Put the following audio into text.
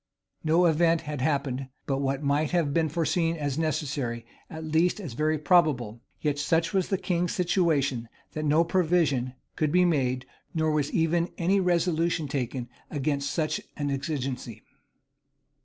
No event had happened, but what might have been foreseen as necessary, at least as very probable; yet such was the king's situation, that no provision could be made, nor was even any resolution taken against such an exigency.